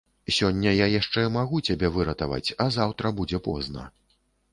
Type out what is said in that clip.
Сягоння я яшчэ магу цябе выратаваць, а заўтра будзе позна.